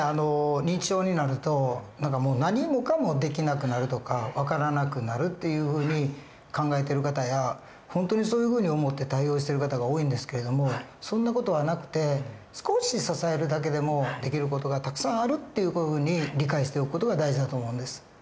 認知症になるともう何もかもできなくなるとか分からなくなるっていうふうに考えてる方や本当にそういうふうに思って対応してる方が多いんですけれどもそんな事はなくて少し支えるだけでもできる事がたくさんあるっていうふうに理解しておく事が大事だと思うんです。